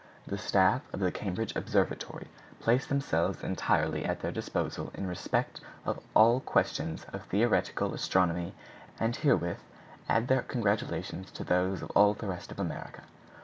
The staff of the Cambridge Observatory place themselves entirely at their disposal in respect of all questions of theoretical astronomy; and herewith add their congratulations to those of all the rest of America.